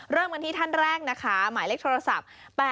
เริ่มกันที่ท่านแรกนะคะหมายเลขโทรศัพท์